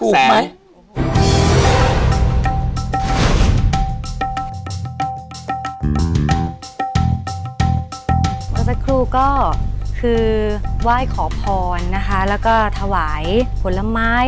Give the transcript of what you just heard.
เมื่อสักครู่ก็คือไหว้ขอพรนะคะแล้วก็ถวายผลไม้